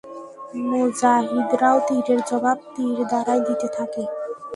মুজাহিদরাও তীরের জবাব তীর দ্বারাই দিতে থাকে।